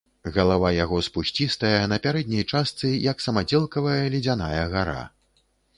Галава яго спусцістая, на пярэдняй частцы як самадзелкавая ледзяная гара.